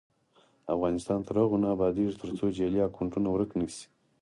افغانستان تر هغو نه ابادیږي، ترڅو جعلي اکونټونه ورک نشي.